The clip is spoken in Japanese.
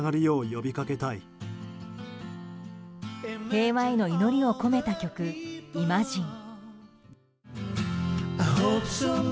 平和への祈りを込めた曲「イマジン」。